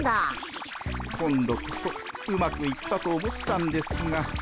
今度こそうまくいったと思ったんですが。